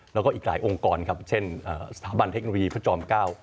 แล้วก็อีกหลายองค์กรครับเช่นสถาบันเทคโนโลยีพระจอม๙